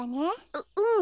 ううん。